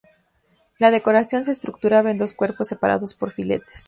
La decoración se estructuraba en dos cuerpos separados por filetes.